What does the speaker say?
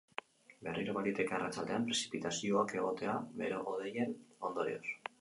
Berriro, baliteke arratsaldean prezipitazioak egotea, bero-hodeien ondorioz.